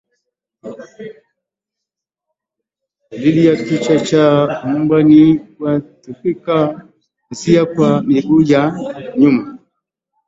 Dalili ya kichaa cha mbwa ni kuathirika hisia kwa miguu ya nyuma